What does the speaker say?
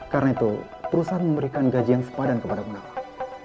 karena itu perusahaan memberikan gaji yang sepadan kepada bunawang